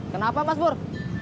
kenapa mas pur